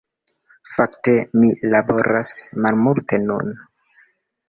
Fakte, mi laboras malmulte nun.